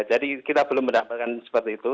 jadi kita belum mendapatkan seperti itu